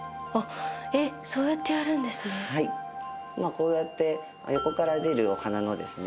こうやって横から出るお花のですね